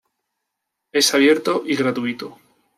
Es abierto y gratuito.